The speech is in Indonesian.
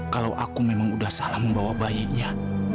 kalau aku memang udah salah membawa bayinya